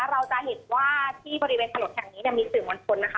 เราจะเห็นว่าที่บริเวณถนนแห่งนี้มีสื่อมวลชนนะคะ